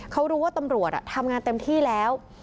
เขารู้ว่าตำรวจทำงานเต็มที่แล้ว